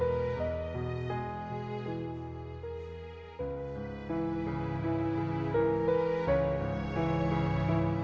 di telepon gak bisa